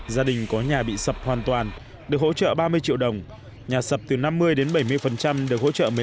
gia đình có nhà bị sập hoàn toàn được hỗ trợ ba mươi triệu đồng nhà sập từ năm mươi đến bảy mươi được hỗ trợ